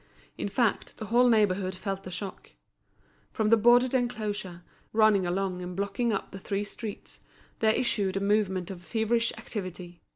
In fact, the whole neighbourhood felt the shock. From the boarded enclosure, running along and blocking up the three streets, there issued a movement of feverish activity.